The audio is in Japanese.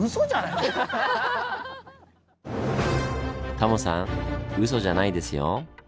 タモさんウソじゃないですよ。